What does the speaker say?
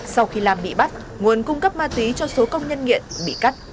sau khi lam bị bắt nguồn cung cấp ma túy cho số công nhân nghiện bị cắt